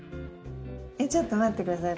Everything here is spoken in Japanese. えっちょっと待って下さい。